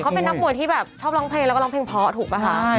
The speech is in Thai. มันเป็นนางมวยที่ประชาพร่องเพลงและร้องเพลงพ่อถูกปะ